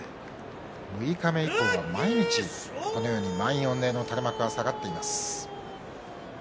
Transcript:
六日目以降は毎日満員御礼の垂れ幕が下がっています。